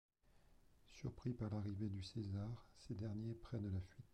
Surpris par l'arrivée du César, ces derniers prennent la fuite.